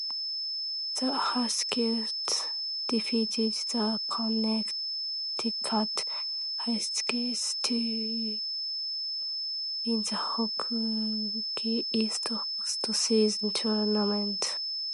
The Huskies defeated the Connecticut Huskies to win the Hockey East postseason tournament.